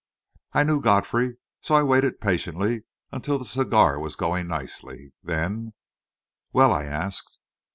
I knew Godfrey, so I waited patiently until the cigar was going nicely, then "Well?" I asked.